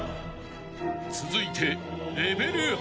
［続いて］